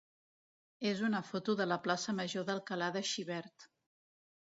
és una foto de la plaça major d'Alcalà de Xivert.